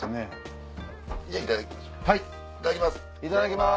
いただきます！